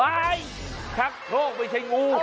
ไปชะโครกไม่ใช่งู